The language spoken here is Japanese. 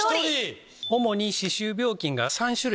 主に歯周病菌が３種類。